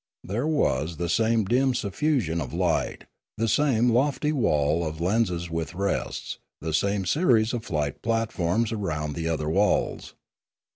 There was the same dim suffusion of light, the same lofty wall of lenses with rests, the same series of flight platforms round the other walls.